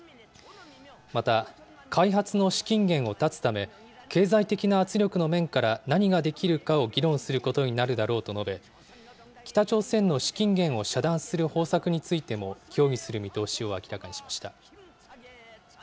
また、開発の資金源を断つため、経済的な圧力の面から何ができるかを議論することになるだろうと述べ、北朝鮮の資金源を遮断する方策についても協議する見通しを明らかにしました。